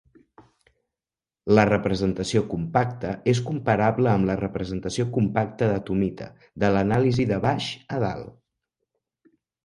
La representació compacta és comparable amb la representació compacta de Tomita de l'anàlisi de baix a dalt.